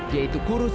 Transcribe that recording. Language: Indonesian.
dia itu kurang